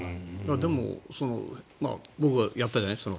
でも僕はやったじゃない。